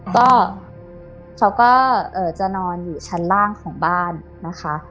ก็เขาก็จะนอนอยู่ชั้นล่างของบ้านนะคะ